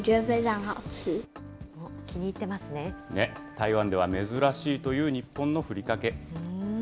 台湾では珍しいという日本のふりかけ。